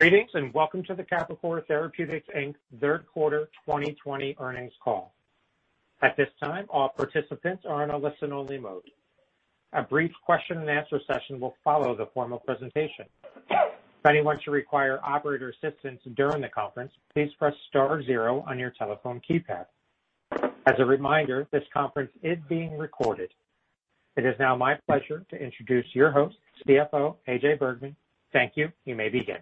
Greetings, and welcome to the Capricor Therapeutics, Inc. third quarter 2020 earnings call. At this time, all participants are in a listen-only mode. A brief question and answer session will follow the formal presentation. If anyone should require operator assistance during the conference, please press star zero on your telephone keypad. As a reminder, this conference is being recorded. It is now my pleasure to introduce your host, CFO, AJ Bergmann. Thank you. You may begin.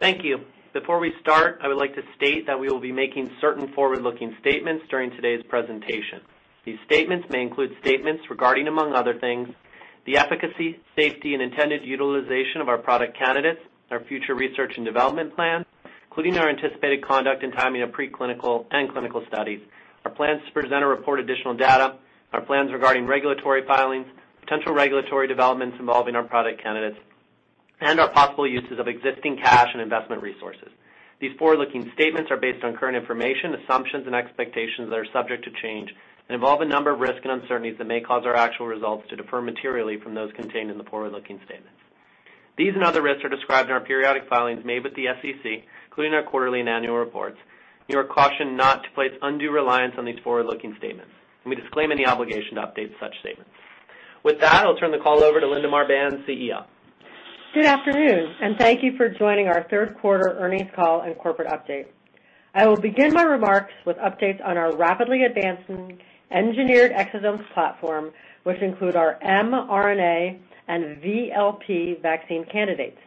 Thank you. Before we start, I would like to state that we will be making certain forward-looking statements during today's presentation. These statements may include statements regarding, among other things, the efficacy, safety, and intended utilization of our product candidates, our future research and development plan, including our anticipated conduct and timing of pre-clinical and clinical studies, our plans to present or report additional data, our plans regarding regulatory filings, potential regulatory developments involving our product candidates, and our possible uses of existing cash and investment resources. These forward-looking statements are based on current information, assumptions, and expectations that are subject to change and involve a number of risks and uncertainties that may cause our actual results to differ materially from those contained in the forward-looking statements. These and other risks are described in our periodic filings made with the SEC, including our quarterly and annual reports, and you are cautioned not to place undue reliance on these forward-looking statements. We disclaim any obligation to update such statements. With that, I'll turn the call over to Linda Marbán, CEO. Good afternoon, and thank you for joining our third quarter earnings call and corporate update. I will begin my remarks with updates on our rapidly advancing engineered exosomes platform, which include our mRNA and VLP vaccine candidates.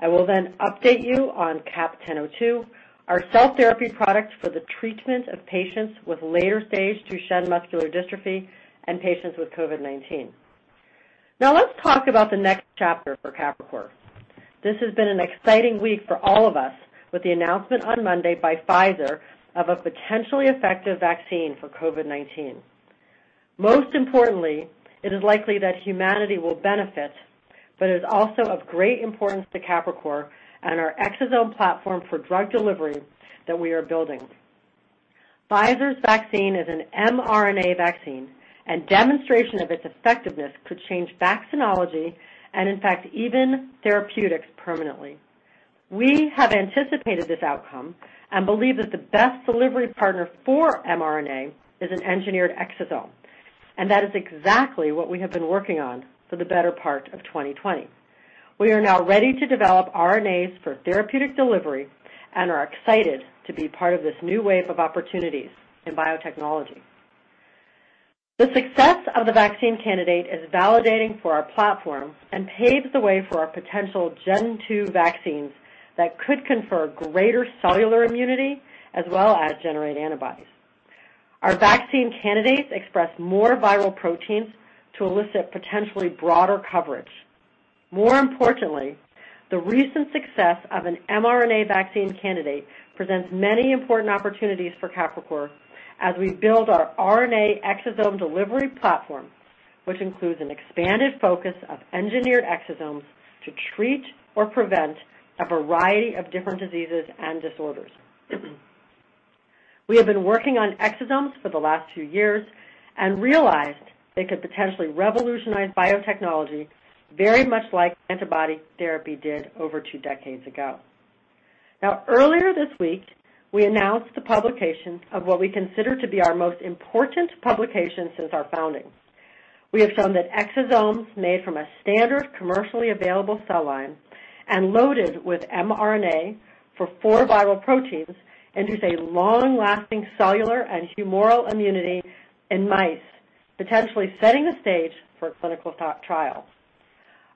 I will then update you on CAP-1002, our cell therapy product for the treatment of patients with later stage Duchenne muscular dystrophy and patients with COVID-19. Now let's talk about the next chapter for Capricor. This has been an exciting week for all of us with the announcement on Monday by Pfizer of a potentially effective vaccine for COVID-19. Most importantly, it is likely that humanity will benefit, but it is also of great importance to Capricor and our exosome platform for drug delivery that we are building. Pfizer's vaccine is an mRNA vaccine, and demonstration of its effectiveness could change vaccinology and in fact even therapeutics permanently. We have anticipated this outcome and believe that the best delivery partner for mRNA is an engineered exosome, and that is exactly what we have been working on for the better part of 2020. We are now ready to develop RNAs for therapeutic delivery and are excited to be part of this new wave of opportunities in biotechnology. The success of the vaccine candidate is validating for our platform and paves the way for our potential Gen 2 vaccines that could confer greater cellular immunity as well as generate antibodies. Our vaccine candidates express more viral proteins to elicit potentially broader coverage. More importantly, the recent success of an mRNA vaccine candidate presents many important opportunities for Capricor as we build our RNA exosome delivery platform, which includes an expanded focus of engineered exosomes to treat or prevent a variety of different diseases and disorders. We have been working on exosomes for the last two years and realized they could potentially revolutionize biotechnology very much like antibody therapy did over two decades ago. Earlier this week, we announced the publication of what we consider to be our most important publication since our founding. We have shown that exosomes made from a standard commercially available cell line and loaded with mRNA for four viral proteins induce a long-lasting cellular and humoral immunity in mice, potentially setting the stage for clinical trials.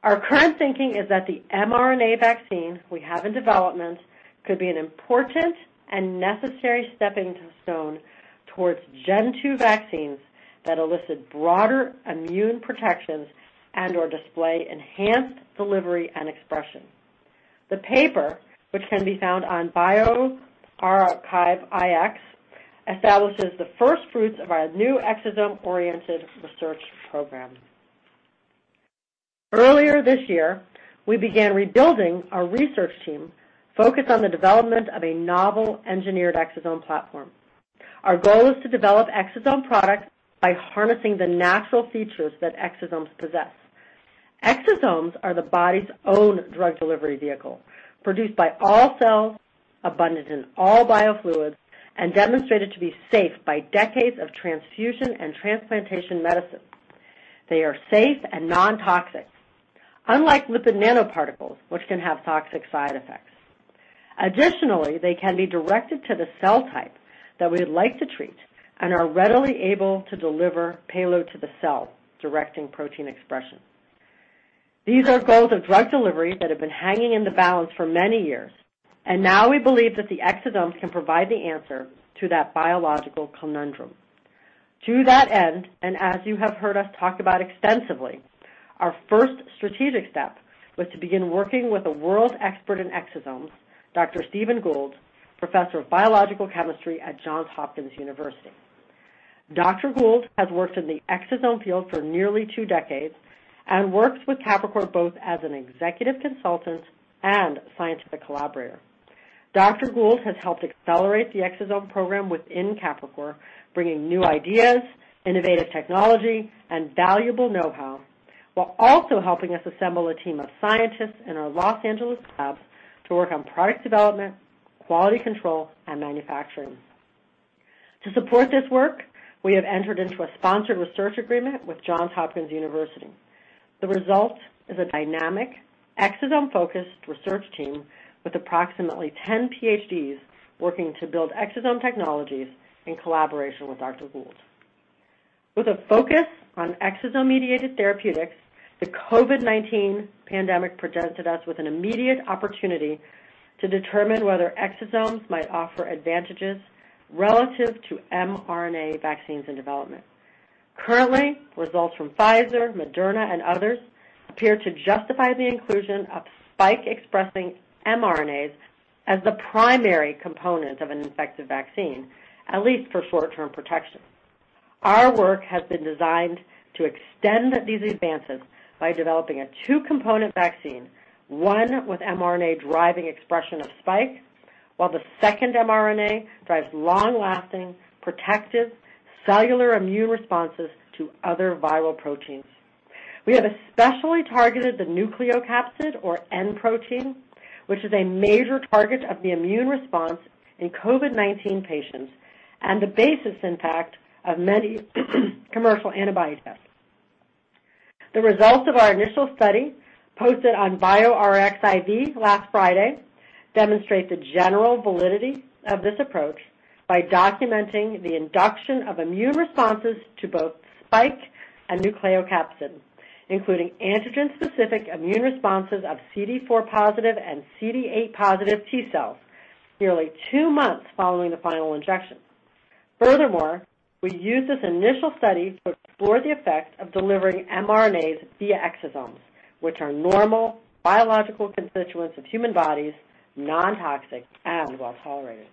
Our current thinking is that the mRNA vaccine we have in development could be an important and necessary stepping stone towards Gen 2 vaccines that elicit broader immune protections and/or display enhanced delivery and expression. The paper, which can be found on bioRxiv, establishes the first fruits of our new exosome-oriented research program. Earlier this year, we began rebuilding our research team focused on the development of a novel engineered exosome platform. Our goal is to develop exosome products by harnessing the natural features that exosomes possess. Exosomes are the body's own drug delivery vehicle, produced by all cells, abundant in all biofluids, and demonstrated to be safe by decades of transfusion and transplantation medicine. They are safe and non-toxic, unlike lipid nanoparticles, which can have toxic side effects. Additionally, they can be directed to the cell type that we would like to treat and are readily able to deliver payload to the cell, directing protein expression. These are goals of drug delivery that have been hanging in the balance for many years, and now we believe that the exosomes can provide the answer to that biological conundrum. To that end, and as you have heard us talk about extensively, our first strategic step was to begin working with a world expert in exosomes, Dr. Stephen Gould, Professor of Biological Chemistry at Johns Hopkins University. Dr. Gould has worked in the exosome field for nearly two decades and works with Capricor both as an executive consultant and scientific collaborator. Dr. Gould has helped accelerate the exosome program within Capricor, bringing new ideas, innovative technology, and valuable know-how, while also helping us assemble a team of scientists in our Los Angeles lab to work on product development, quality control, and manufacturing. To support this work, we have entered into a sponsored research agreement with Johns Hopkins University. The result is a dynamic exosome-focused research team with approximately 10 PhDs working to build exosome technologies in collaboration with Dr. Gould. With a focus on exosome-mediated therapeutics, the COVID-19 pandemic presented us with an immediate opportunity to determine whether exosomes might offer advantages relative to mRNA vaccines in development. Currently, results from Pfizer, Moderna, and others appear to justify the inclusion of spike-expressing mRNAs as the primary component of an effective vaccine, at least for short-term protection. Our work has been designed to extend these advances by developing a two-component vaccine, one with mRNA driving expression of spike, while the second mRNA drives long-lasting protective cellular immune responses to other viral proteins. We have especially targeted the nucleocapsid or N protein, which is a major target of the immune response in COVID-19 patients and the basis, in fact, of many commercial antibody tests. The results of our initial study, posted on bioRxiv last Friday, demonstrate the general validity of this approach by documenting the induction of immune responses to both spike and nucleocapsid, including antigen-specific immune responses of CD4 positive and CD8 positive T cells nearly two months following the final injection. Furthermore, we used this initial study to explore the effect of delivering mRNAs via exosomes, which are normal biological constituents of human bodies, non-toxic, and well-tolerated.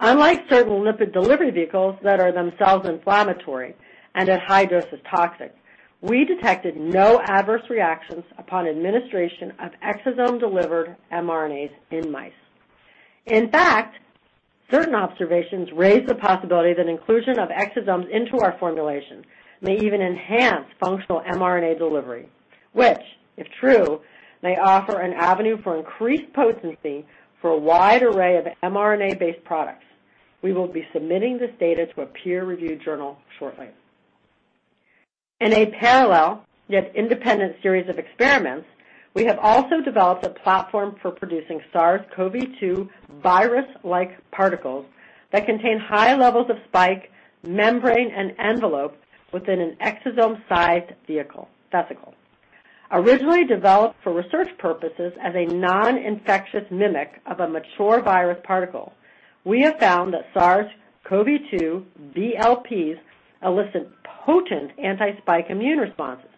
Unlike certain lipid delivery vehicles that are themselves inflammatory and at high doses toxic, we detected no adverse reactions upon administration of exosome-delivered mRNAs in mice. In fact, certain observations raise the possibility that inclusion of exosomes into our formulations may even enhance functional mRNA delivery, which, if true, may offer an avenue for increased potency for a wide array of mRNA-based products. We will be submitting this data to a peer-reviewed journal shortly. In a parallel yet independent series of experiments, we have also developed a platform for producing SARS-CoV-2 virus-like particles that contain high levels of spike, membrane, and envelope within an exosome-sized vesicle. Originally developed for research purposes as a non-infectious mimic of a mature virus particle, we have found that SARS-CoV-2 VLPs elicit potent anti-spike immune responses.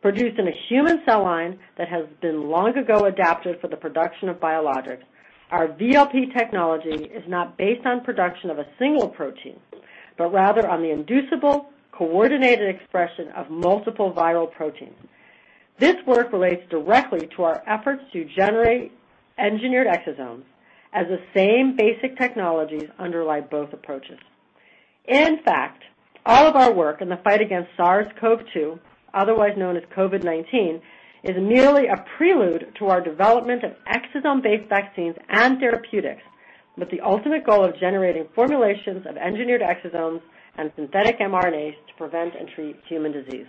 Produced in a human cell line that has been long ago adapted for the production of biologics, our VLP technology is not based on production of a single protein, but rather on the inducible, coordinated expression of multiple viral proteins. This work relates directly to our efforts to generate engineered exosomes as the same basic technologies underlie both approaches. In fact, all of our work in the fight against SARS-CoV-2, otherwise known as COVID-19, is merely a prelude to our development of exosome-based vaccines and therapeutics, with the ultimate goal of generating formulations of engineered exosomes and synthetic mRNAs to prevent and treat human disease.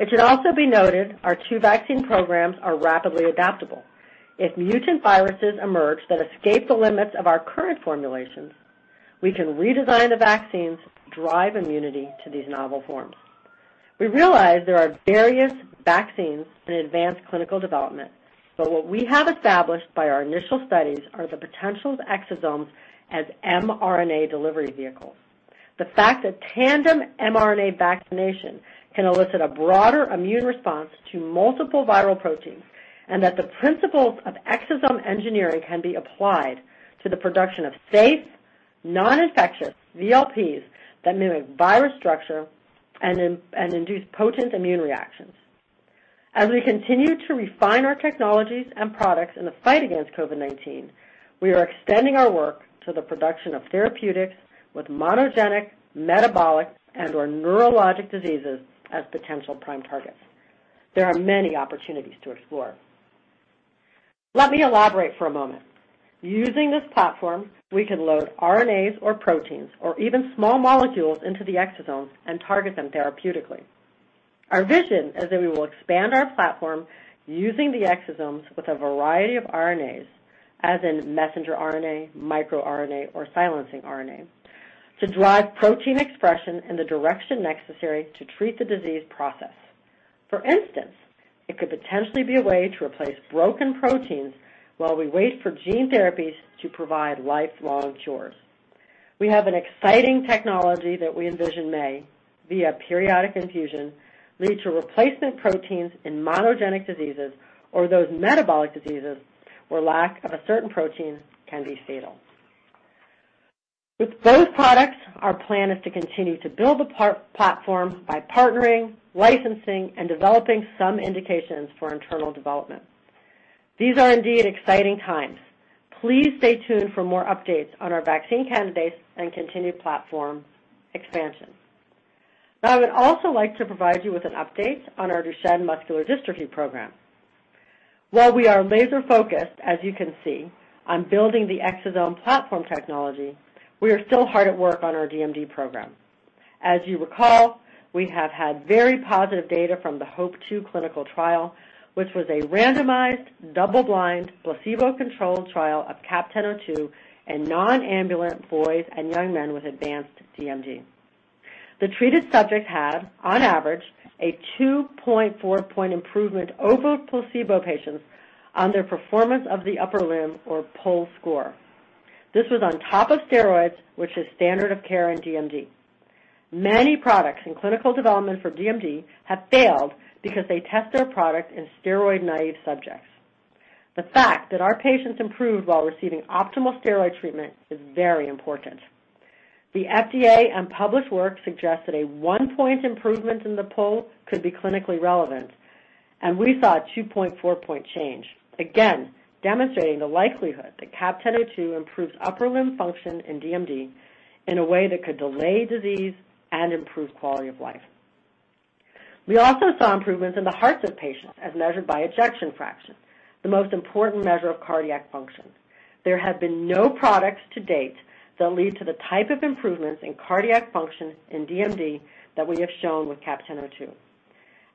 It should also be noted our two vaccine programs are rapidly adaptable. If mutant viruses emerge that escape the limits of our current formulations, we can redesign the vaccines to drive immunity to these novel forms. We realize there are various vaccines in advanced clinical development, but what we have established by our initial studies are the potential of exosomes as mRNA delivery vehicles. The fact that tandem mRNA vaccination can elicit a broader immune response to multiple viral proteins, and that the principles of exosome engineering can be applied to the production of safe, non-infectious VLPs that mimic virus structure and induce potent immune reactions. As we continue to refine our technologies and products in the fight against COVID-19, we are extending our work to the production of therapeutics with monogenic, metabolic, and/or neurologic diseases as potential prime targets. There are many opportunities to explore. Let me elaborate for a moment. Using this platform, we can load RNAs or proteins or even small molecules into the exosomes and target them therapeutically. Our vision is that we will expand our platform using the exosomes with a variety of RNAs, as in messenger RNA, microRNA, or silencing RNA, to drive protein expression in the direction necessary to treat the disease process. It could potentially be a way to replace broken proteins while we wait for gene therapies to provide lifelong cures. We have an exciting technology that we envision may, via periodic infusion, lead to replacement proteins in monogenic diseases or those metabolic diseases where lack of a certain protein can be fatal. With both products, our plan is to continue to build the platform by partnering, licensing, and developing some indications for internal development. These are indeed exciting times. Please stay tuned for more updates on our vaccine candidates and continued platform expansion. I would also like to provide you with an update on our Duchenne muscular dystrophy program. While we are laser-focused, as you can see, on building the exosome platform technology, we are still hard at work on our DMD program. As you recall, we have had very positive data from the HOPE-2 clinical trial, which was a randomized, double-blind, placebo-controlled trial of CAP-1002 in non-ambulant boys and young men with advanced DMD. The treated subjects had, on average, a 2.4-point improvement over placebo patients on their Performance of the Upper Limb, or PUL score. This was on top of steroids, which is standard of care in DMD. Many products in clinical development for DMD have failed because they test their product in steroid-naive subjects. The fact that our patients improved while receiving optimal steroid treatment is very important. The FDA and published work suggest that a one-point improvement in the PUL could be clinically relevant, and we saw a 2.4-point change, again, demonstrating the likelihood that CAP-1002 improves upper limb function in DMD in a way that could delay disease and improve quality of life. We also saw improvements in the hearts of patients as measured by ejection fraction, the most important measure of cardiac function. There have been no products to date that lead to the type of improvements in cardiac function in DMD that we have shown with CAP-1002.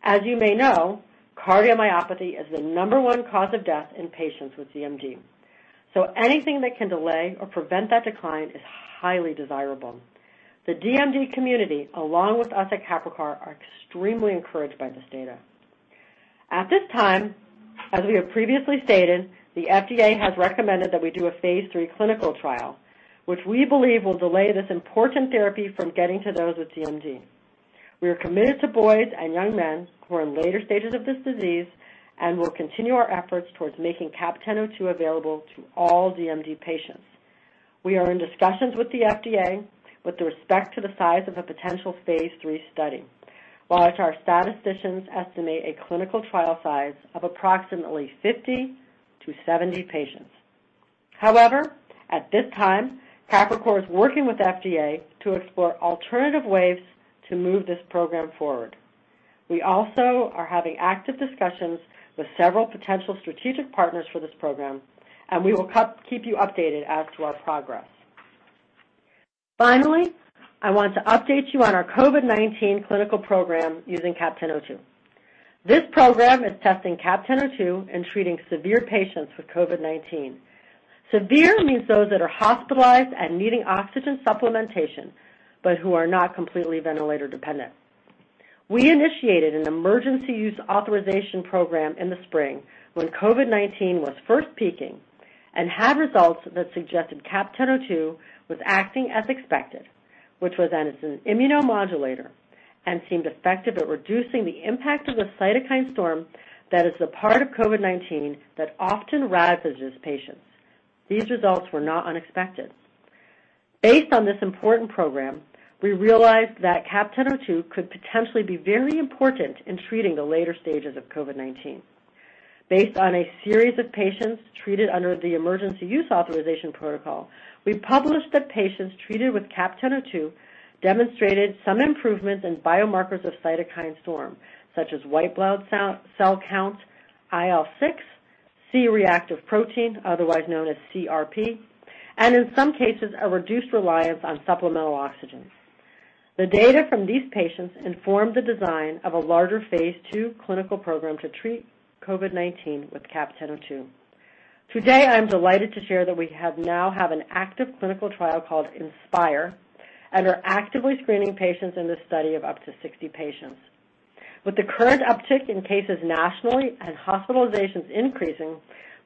As you may know, cardiomyopathy is the number one cause of death in patients with DMD, so anything that can delay or prevent that decline is highly desirable. The DMD community, along with us at Capricor, are extremely encouraged by this data. At this time, as we have previously stated, the FDA has recommended that we do a phase III clinical trial, which we believe will delay this important therapy from getting to those with DMD. We are committed to boys and young men who are in later stages of this disease and will continue our efforts towards making CAP-1002 available to all DMD patients. We are in discussions with the FDA with respect to the size of a potential phase III study, while our statisticians estimate a clinical trial size of approximately 50-70 patients. At this time, Capricor is working with FDA to explore alternative ways to move this program forward. We also are having active discussions with several potential strategic partners for this program, and we will keep you updated as to our progress. Finally, I want to update you on our COVID-19 clinical program using CAP-1002. This program is testing CAP-1002 in treating severe patients with COVID-19. Severe means those that are hospitalized and needing oxygen supplementation, but who are not completely ventilator dependent. We initiated an Emergency Use Authorization program in the spring when COVID-19 was first peaking and had results that suggested CAP-1002 was acting as expected, which was as an immunomodulator and seemed effective at reducing the impact of the cytokine storm that is the part of COVID-19 that often ravages patients. These results were not unexpected. Based on this important program, we realized that CAP-1002 could potentially be very important in treating the later stages of COVID-19. Based on a series of patients treated under the Emergency Use Authorization protocol, we published that patients treated with CAP-1002 demonstrated some improvements in biomarkers of cytokine storm, such as white blood cell counts, IL-6, C-reactive protein, otherwise known as CRP, and in some cases, a reduced reliance on supplemental oxygen. The data from these patients informed the design of a larger phase II clinical program to treat COVID-19 with CAP-1002. Today, I'm delighted to share that we now have an active clinical trial called INSPIRE and are actively screening patients in this study of up to 60 patients. With the current uptick in cases nationally and hospitalizations increasing,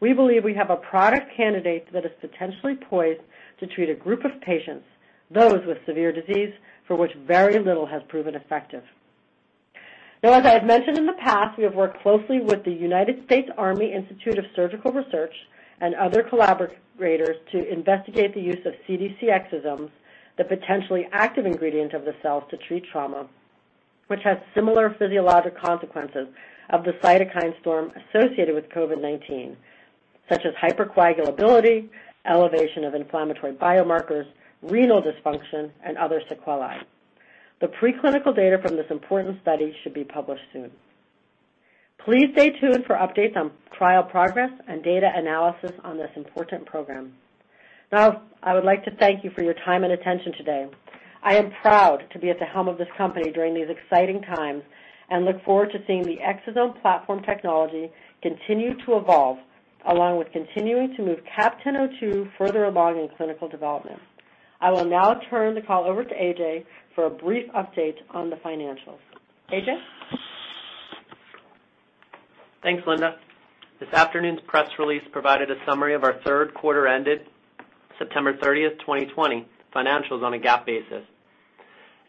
we believe we have a product candidate that is potentially poised to treat a group of patients, those with severe disease, for which very little has proven effective. As I have mentioned in the past, we have worked closely with the United States Army Institute of Surgical Research and other collaborators to investigate the use of CDC exosomes, the potentially active ingredient of the cells to treat trauma, which has similar physiologic consequences of the cytokine storm associated with COVID-19, such as hypercoagulability, elevation of inflammatory biomarkers, renal dysfunction, and other sequelae. The preclinical data from this important study should be published soon. Please stay tuned for updates on trial progress and data analysis on this important program. I would like to thank you for your time and attention today. I am proud to be at the helm of this company during these exciting times and look forward to seeing the exosome platform technology continue to evolve, along with continuing to move CAP-1002 further along in clinical development. I will now turn the call over to AJ for a brief update on the financials. AJ? Thanks, Linda. This afternoon's press release provided a summary of our third quarter ended September 30th, 2020 financials on a GAAP basis.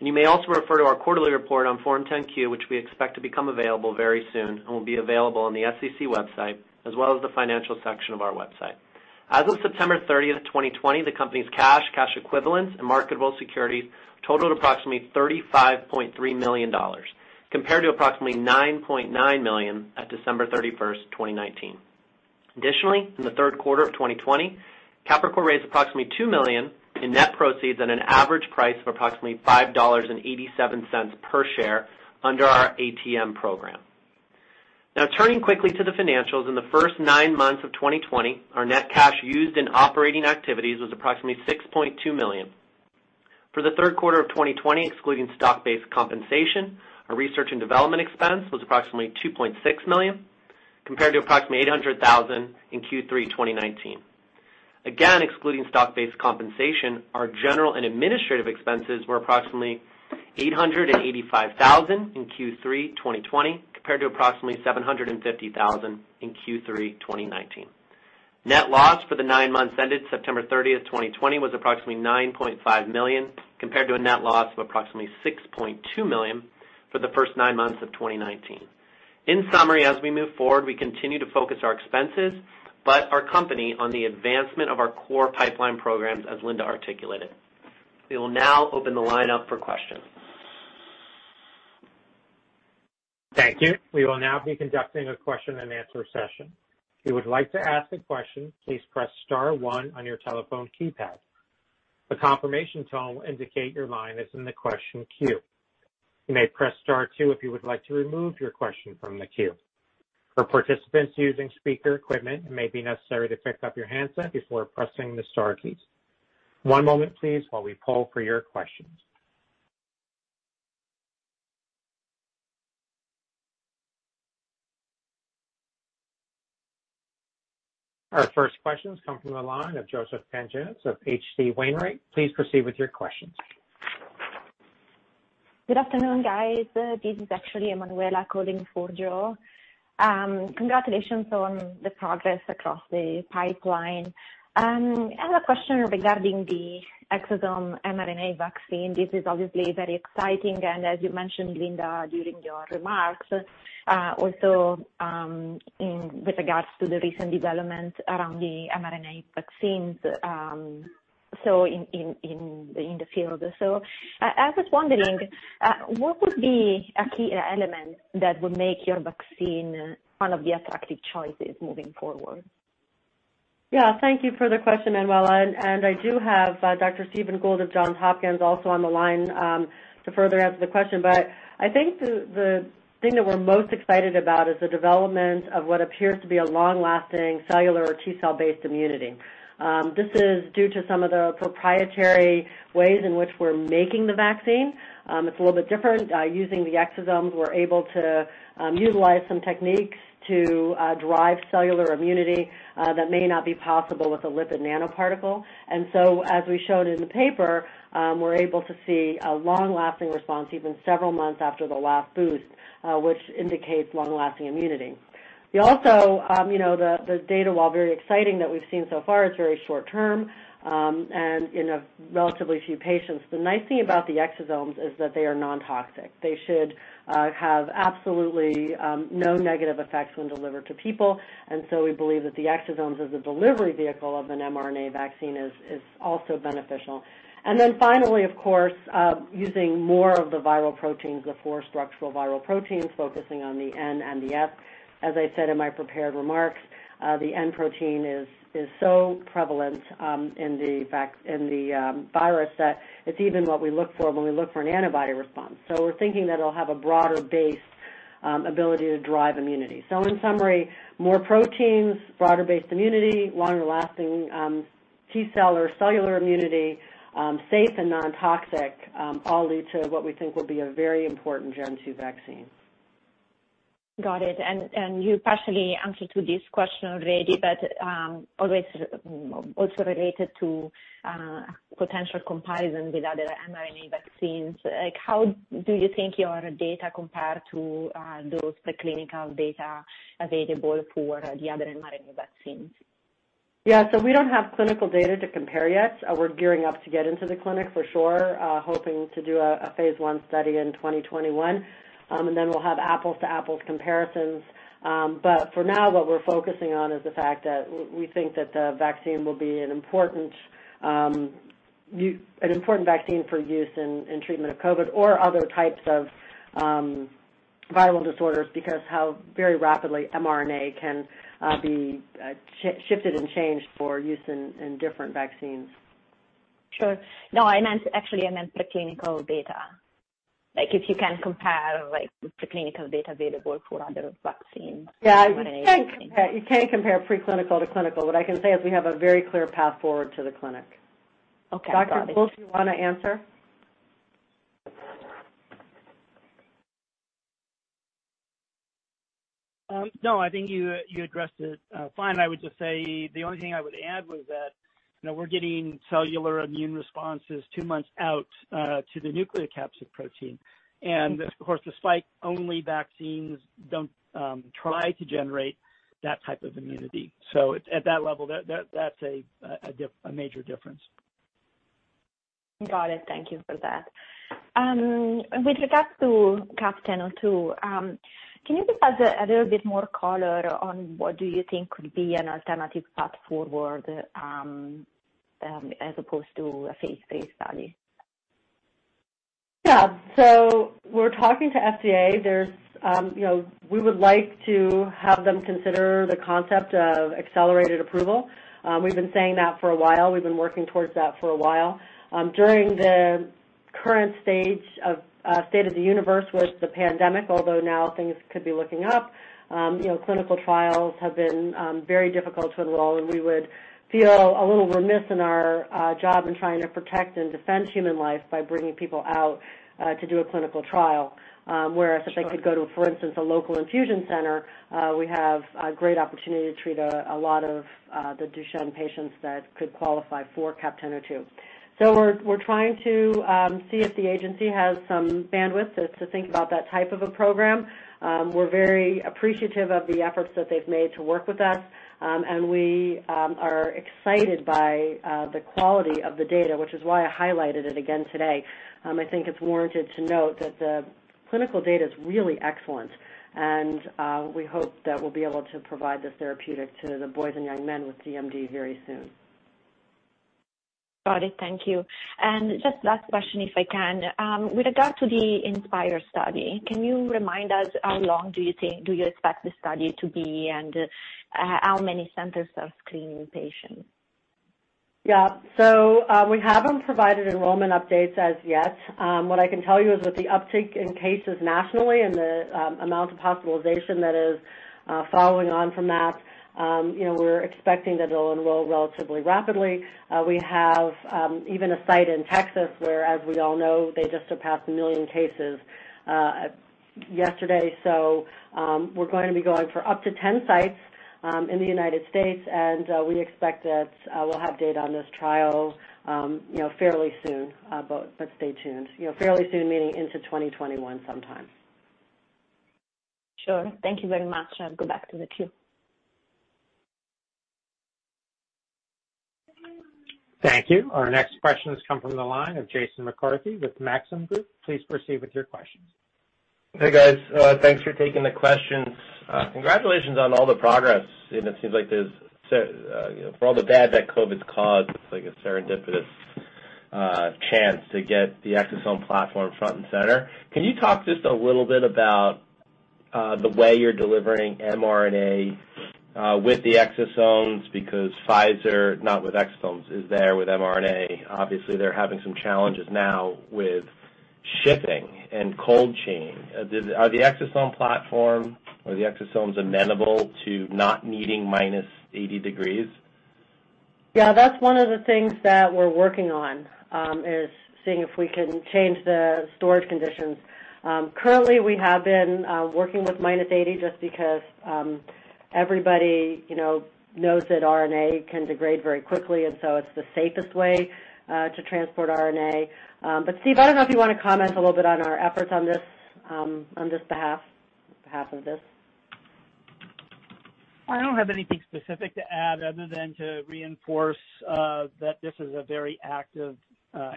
You may also refer to our quarterly report on Form 10-Q, which we expect to become available very soon and will be available on the SEC website, as well as the financial section of our website. As of September 30th, 2020, the company's cash equivalents, and marketable securities totaled approximately $35.3 million, compared to approximately $9.9 million at December 31st, 2019. Additionally, in the third quarter of 2020, Capricor raised approximately $2 million in net proceeds at an average price of approximately $5.87 per share under our ATM program. Turning quickly to the financials, in the first nine months of 2020, our net cash used in operating activities was approximately $6.2 million. For the third quarter of 2020, excluding stock-based compensation, our research and development expense was approximately $2.6 million, compared to approximately $800,000 in Q3 2019. Excluding stock-based compensation, our general and administrative expenses were approximately $885,000 in Q3 2020, compared to approximately $750,000 in Q3 2019. Net loss for the nine months ended September 30th, 2020 was approximately $9.5 million, compared to a net loss of approximately $6.2 million for the first nine months of 2019. In summary, as we move forward, we continue to focus our expenses, but our company on the advancement of our core pipeline programs, as Linda articulated. We will now open the line up for questions. Thank you. We will now be conducting a question and answer session. If you would like to ask a question, please press *1 on your telephone keypad. A confirmation tone will indicate your line is in the question queue. You may press *2 if you would like to remove your question from the queue. For participants using speaker equipment, it may be necessary to pick up your handset before pressing the star keys. One moment please while we poll for your questions. Our first questions come from the line of Joseph Pantginis of H.C. Wainwright. Please proceed with your questions. Good afternoon, guys. This is actually Emanuela calling for Joe. Congratulations on the progress across the pipeline. I have a question regarding the exosome mRNA vaccine. This is obviously very exciting and as you mentioned, Linda, during your remarks, also with regards to the recent development around the mRNA vaccines in the field. I was wondering what would be a key element that would make your vaccine one of the attractive choices moving forward? Yeah. Thank you for the question, Emanuela. I do have Dr. Stephen Gould of Johns Hopkins also on the line to further answer the question. I think the thing that we're most excited about is the development of what appears to be a long-lasting cellular or T-cell based immunity. This is due to some of the proprietary ways in which we're making the vaccine. It's a little bit different. Using the exosomes, we're able to utilize some techniques to drive cellular immunity that may not be possible with a lipid nanoparticle. As we showed in the paper, we're able to see a long-lasting response even several months after the last boost, which indicates long-lasting immunity. The data, while very exciting that we've seen so far, is very short term and in a relatively few patients. The nice thing about the exosomes is that they are non-toxic. They should have absolutely no negative effects when delivered to people. We believe that the exosomes as a delivery vehicle of an mRNA vaccine is also beneficial. Finally, of course, using more of the viral proteins, the four structural viral proteins, focusing on the N and the M. As I said in my prepared remarks, the N protein is so prevalent in the virus that it's even what we look for when we look for an antibody response. We're thinking that it'll have a broader base ability to drive immunity. In summary, more proteins, broader based immunity, longer lasting T-cell or cellular immunity, safe and non-toxic, all lead to what we think will be a very important Gen 2 vaccine. Got it. You partially answered to this question already, but always also related to potential comparison with other mRNA vaccines. How do you think your data compare to those pre-clinical data available for the other mRNA vaccines? Yeah. We don't have clinical data to compare yet. We're gearing up to get into the clinic for sure, hoping to do a phase I study in 2021. We'll have apples to apples comparisons. For now, what we're focusing on is the fact that we think that the vaccine will be an important vaccine for use in treatment of COVID or other types of viral disorders, because how very rapidly mRNA can be shifted and changed for use in different vaccines. Sure. No, actually, I meant preclinical data. If you can compare the clinical data available for other vaccines. Yeah. You can't compare preclinical to clinical. What I can say is we have a very clear path forward to the clinic. Okay. Dr. Gould, do you want to answer? No, I think you addressed it fine. I would just say the only thing I would add was that we're getting cellular immune responses two months out to the nucleocapsid protein. Of course, the spike-only vaccines don't try to generate that type of immunity. At that level, that's a major difference. Got it. Thank you for that. With regards to CAP-1002, can you just add a little bit more color on what do you think could be an alternative path forward, as opposed to a phase III study? Yeah. We're talking to FDA. We would like to have them consider the concept of Accelerated Approval. We've been saying that for a while. We've been working towards that for a while. During the current state of the universe, which is the pandemic, although now things could be looking up, clinical trials have been very difficult to enroll, and we would feel a little remiss in our job in trying to protect and defend human life by bringing people out to do a clinical trial. Whereas if they could go to, for instance, a local infusion center, we have a great opportunity to treat a lot of the Duchenne patients that could qualify for CAP-1002. We're trying to see if the agency has some bandwidth to think about that type of a program. We're very appreciative of the efforts that they've made to work with us. We are excited by the quality of the data, which is why I highlighted it again today. I think it's warranted to note that the clinical data's really excellent, and we hope that we'll be able to provide this therapeutic to the boys and young men with DMD very soon. Got it. Thank you. Just last question, if I can. With regard to the INSPIRE study, can you remind us how long do you expect the study to be, and how many centers are screening patients? Yeah. We haven't provided enrollment updates as yet. What I can tell you is with the uptick in cases nationally and the amount of hospitalization that is following on from that, we're expecting that it'll enroll relatively rapidly. We have even a site in Texas where, as we all know, they just surpassed 1 million cases yesterday. We're going to be going for up to 10 sites in the U.S., and we expect that we'll have data on this trial fairly soon. Stay tuned. Fairly soon meaning into 2021 sometime. Sure. Thank you very much. I'll go back to the queue. Thank you. Our next questions come from the line of Jason McCarthy with Maxim Group. Please proceed with your questions. Hey, guys. Thanks for taking the questions. Congratulations on all the progress, it seems like for all the bad that COVID-19's caused, it's like a serendipitous chance to get the exosome platform front and center. Can you talk just a little bit about the way you're delivering mRNA with the exosomes? Because Pfizer, not with exosomes, is there with mRNA. Obviously, they're having some challenges now with shipping and cold chain. Are the exosome platform or the exosomes amenable to not needing -80 degrees Celsius? Yeah. That's one of the things that we're working on, is seeing if we can change the storage conditions. Currently, we have been working with -80 just because everybody knows that RNA can degrade very quickly. It's the safest way to transport RNA. Steve, I don't know if you want to comment a little bit on our efforts on this behalf. I don't have anything specific to add other than to reinforce that this is a very active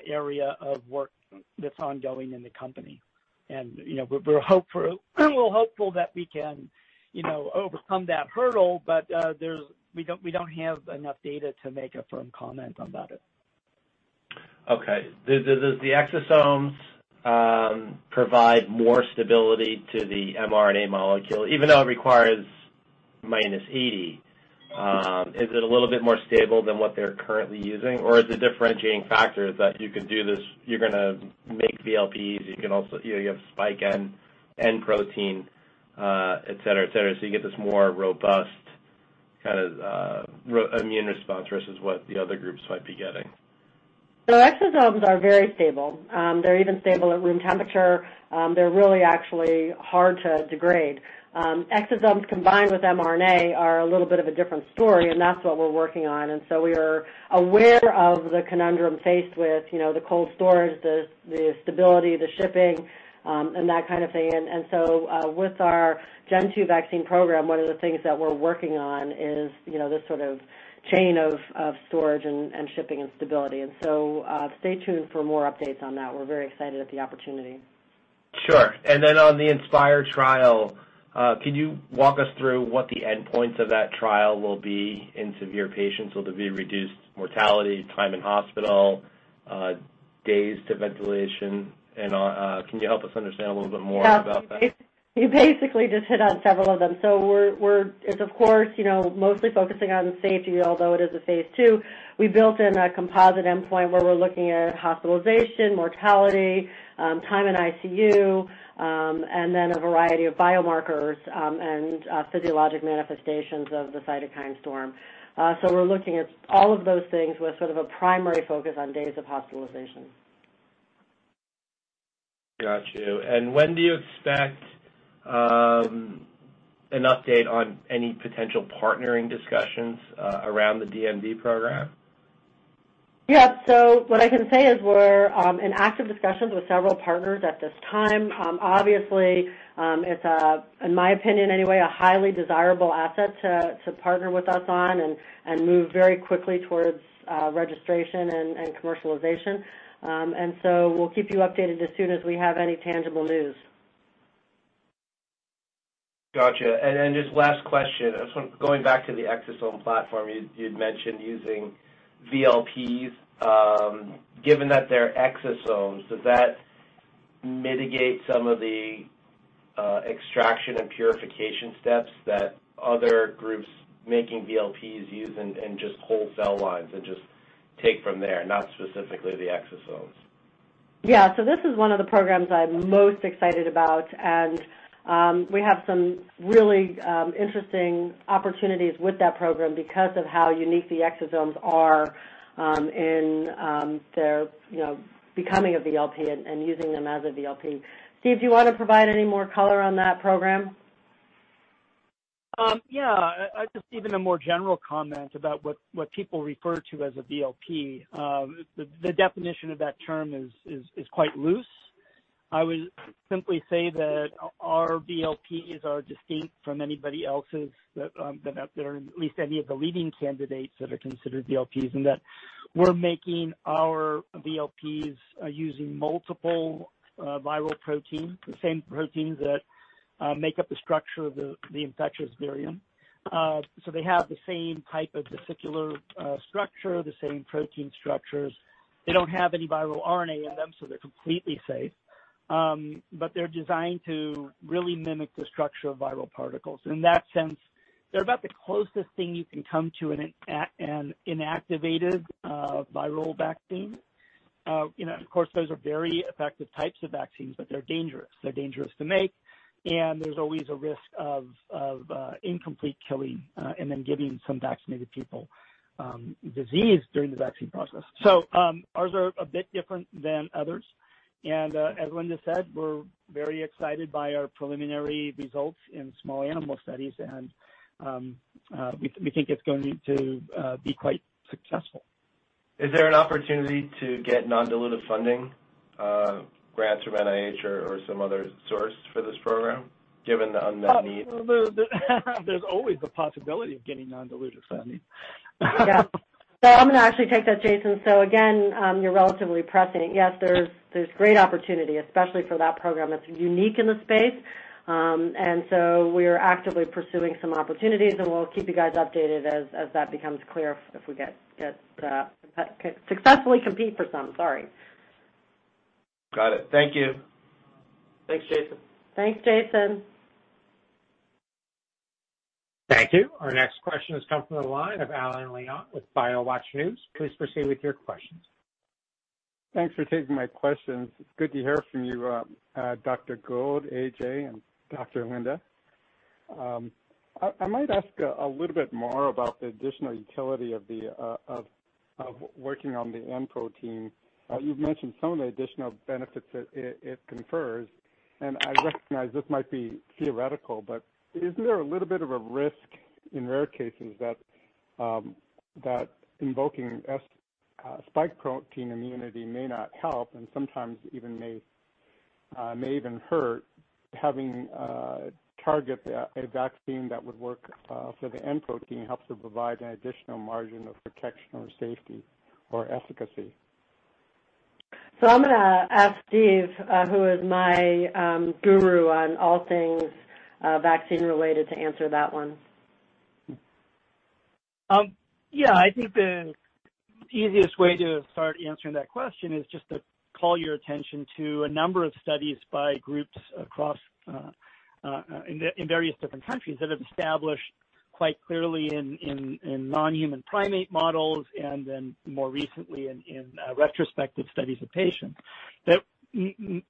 area of work that's ongoing in the company. We're hopeful that we can overcome that hurdle, but we don't have enough data to make a firm comment about it. Okay. Do the exosomes provide more stability to the mRNA molecule? Even though it requires -80, is it a little bit more stable than what they're currently using, or is the differentiating factor that you could do this, you're going to make VLPs, you have spike N protein, et cetera, so you get this more robust immune response versus what the other groups might be getting? Exosomes are very stable. They're even stable at room temperature. They're really actually hard to degrade. Exosomes combined with mRNA are a little bit of a different story, and that's what we're working on. We are aware of the conundrum faced with the cold storage, the stability, the shipping, and that kind of thing. With our Gen 2 vaccine program, one of the things that we're working on is this sort of chain of storage and shipping and stability. Stay tuned for more updates on that. We're very excited at the opportunity. Sure. On the INSPIRE trial, can you walk us through what the endpoints of that trial will be in severe patients? Will there be reduced mortality, time in hospital, days to ventilation, and can you help us understand a little bit more about that? Yeah. You basically just hit on several of them. We're, of course, mostly focusing on safety, although it is a phase II. We built in a composite endpoint where we're looking at hospitalization, mortality, time in ICU, and then a variety of biomarkers and physiologic manifestations of the cytokine storm. We're looking at all of those things with sort of a primary focus on days of hospitalization. Got you. When do you expect an update on any potential partnering discussions around the DMD program? Yeah. What I can say is we're in active discussions with several partners at this time. Obviously, it's, in my opinion anyway, a highly desirable asset to partner with us on and move very quickly towards registration and commercialization. We'll keep you updated as soon as we have any tangible news. Gotcha. Just last question. Going back to the exosome platform, you'd mentioned using VLPs. Given that they're exosomes, does that mitigate some of the extraction and purification steps that other groups making VLPs use and just whole cell lines and just take from there, not specifically the exosomes? Yeah. This is one of the programs I'm most excited about, and we have some really interesting opportunities with that program because of how unique the exosomes are in their becoming a VLP and using them as a VLP. Steve, do you want to provide any more color on that program? Yeah. Just even a more general comment about what people refer to as a VLP. The definition of that term is quite loose. I would simply say that our VLPs are distinct from anybody else's that are at least any of the leading candidates that are considered VLPs, and that we're making our VLPs using multiple viral proteins, the same proteins that make up the structure of the infectious virion. They have the same type of vesicular structure, the same protein structures. They don't have any viral RNA in them, so they're completely safe. They're designed to really mimic the structure of viral particles. In that sense, they're about the closest thing you can come to an inactivated viral vaccine. Of course, those are very effective types of vaccines, they're dangerous. They're dangerous to make, there's always a risk of incomplete killing, and then giving some vaccinated people disease during the vaccine process. Ours are a bit different than others. As Linda said, we're very excited by our preliminary results in small animal studies, and we think it's going to be quite successful. Is there an opportunity to get non-dilutive funding, grants from NIH or some other source for this program, given the unmet need? There's always the possibility of getting non-dilutive funding. Yeah. I'm going to actually take that, Jason. Again, you're relatively pressing it. Yes, there's great opportunity, especially for that program, that's unique in the space. We are actively pursuing some opportunities, and we'll keep you guys updated as that becomes clear if we get to successfully compete for some, sorry. Got it. Thank you. Thanks, Jason. Thanks, Jason. Thank you. Our next question is coming from the line of Alain Liot with BioWatch News. Please proceed with your questions. Thanks for taking my questions. It's good to hear from you, Dr. Gould, AJ, and Dr. Linda. I might ask a little bit more about the additional utility of working on the N protein. You've mentioned some of the additional benefits that it confers, and I recognize this might be theoretical, but isn't there a little bit of a risk in rare cases that invoking spike protein immunity may not help and sometimes may even hurt having target a vaccine that would work for the N protein helps to provide an additional margin of protection or safety or efficacy? I'm going to ask Stephen, who is my guru on all things vaccine-related, to answer that one. Yeah, I think the easiest way to start answering that question is just to call your attention to a number of studies by groups across in various different countries that have established quite clearly in non-human primate models, then more recently in retrospective studies of patients, that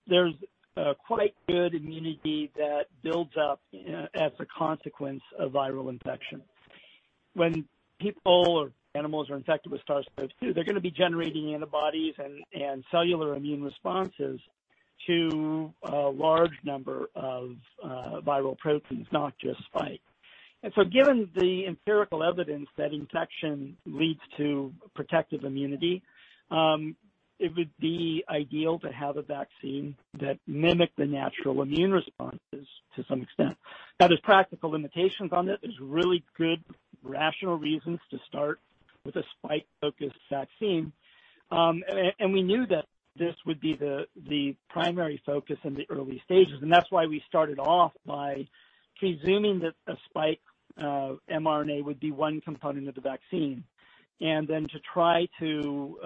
there's a quite good immunity that builds up as a consequence of viral infection. When people or animals are infected with SARS-CoV-2, they're going to be generating antibodies and cellular immune responses to a large number of viral proteins, not just spike. Given the empirical evidence that infection leads to protective immunity, it would be ideal to have a vaccine that mimic the natural immune responses to some extent. Now, there's practical limitations on this. There's really good rational reasons to start with a spike-focused vaccine. We knew that this would be the primary focus in the early stages, and that's why we started off by presuming that a spike mRNA would be one component of the vaccine, then to try to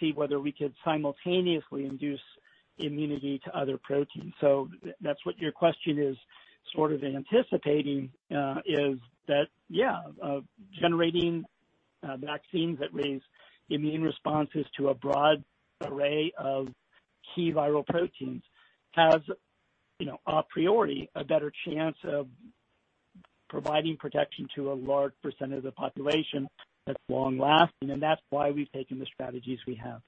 see whether we could simultaneously induce immunity to other proteins. That's what your question is sort of anticipating, is that yeah, generating vaccines that raise immune responses to a broad array of key viral proteins has, a priority, a better chance of providing protection to a large % of the population that's long-lasting, that's why we've taken the strategies we have.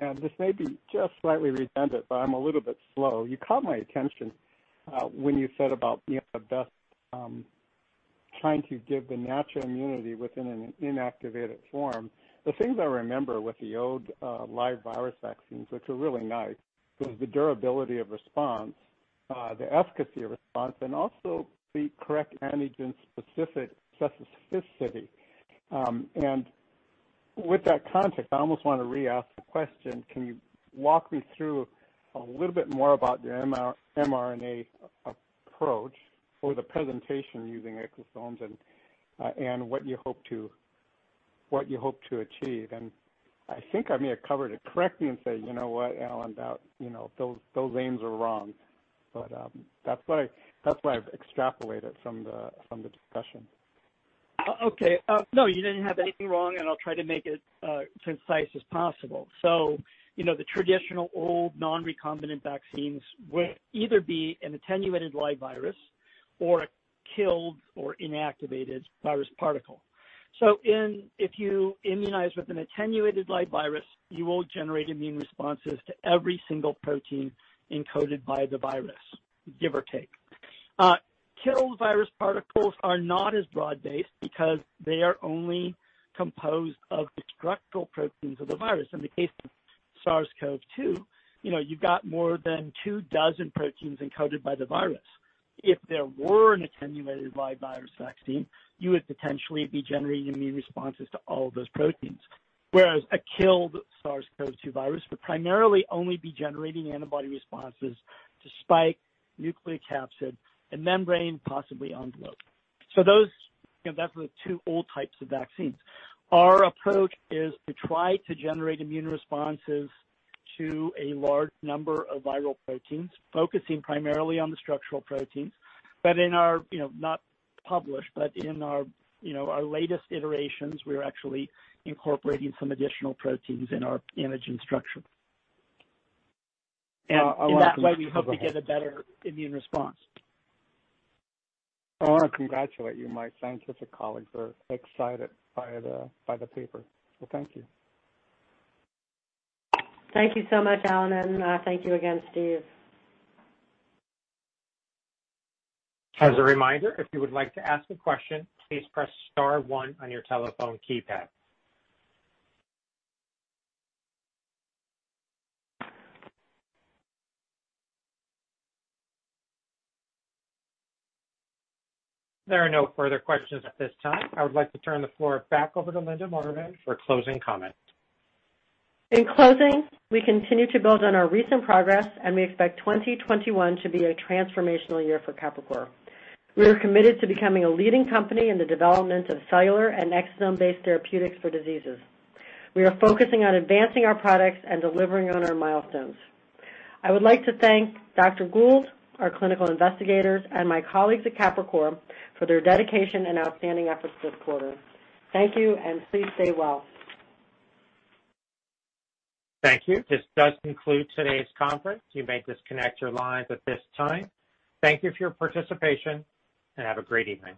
Yeah. This may be just slightly redundant, but I'm a little bit slow. You caught my attention when you said about trying to give the natural immunity within an inactivated form. The things I remember with the old live virus vaccines, which are really nice, was the durability of response, the efficacy of response, and also the correct antigen specificity. With that context, I almost want to re-ask the question. Can you walk me through a little bit more about the mRNA approach for the presentation using exosomes, and what you hope to achieve? I think I may have covered it. Correct me and say, "You know what, Alain? Those aims are wrong." That's what I've extrapolated from the discussion. Okay. No, you didn't have anything wrong, and I'll try to make it concise as possible. The traditional old non-recombinant vaccines would either be an attenuated live virus or a killed or inactivated virus particle. If you immunize with an attenuated live virus, you will generate immune responses to every single protein encoded by the virus, give or take. Killed virus particles are not as broad-based because they are only composed of the structural proteins of the virus. In the case of SARS-CoV-2, you've got more than 2 dozen proteins encoded by the virus. If there were an attenuated live virus vaccine, you would potentially be generating immune responses to all of those proteins, whereas a killed SARS-CoV-2 virus would primarily only be generating antibody responses to spike, nucleocapsid, and membrane, possibly envelope. Those are the two old types of vaccines. Our approach is to try to generate immune responses to a large number of viral proteins, focusing primarily on the structural proteins. In our, not published, but in our latest iterations, we are actually incorporating some additional proteins in our antigen structure. I want to- In that way, we hope to get a better immune response. I want to congratulate you. My scientific colleagues are excited by the paper. Thank you. Thank you so much, Alain, and thank you again, Stephen. As a reminder, if you would like to ask a question, please press star one on your telephone keypad. There are no further questions at this time. I would like to turn the floor back over to Linda Marbán for closing comments. In closing, we continue to build on our recent progress, and we expect 2021 to be a transformational year for Capricor. We are committed to becoming a leading company in the development of cellular and exosome-based therapeutics for diseases. We are focusing on advancing our products and delivering on our milestones. I would like to thank Dr. Gould, our clinical investigators, and my colleagues at Capricor for their dedication and outstanding efforts this quarter. Thank you, and please stay well. Thank you. This does conclude today's conference. You may disconnect your lines at this time. Thank you for your participation, and have a great evening.